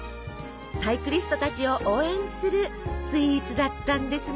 サイクリストたちを応援するスイーツだったんですね。